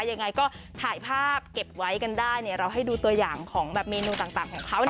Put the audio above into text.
ยังไงก็ถ่ายภาพเก็บไว้กันได้เนี่ยเราให้ดูตัวอย่างของแบบเมนูต่างของเขานะ